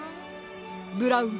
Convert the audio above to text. ブラウン。